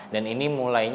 dan ini mulainya